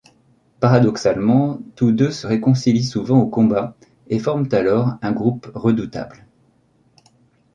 Paradoxalement, tous deux se réconcilient souvent au combat, et forment alors un groupe redoutable.